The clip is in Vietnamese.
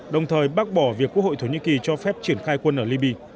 đồng thời bác bỏ việc quốc hội thổ nhĩ kỳ cho phép triển khai quân ở liby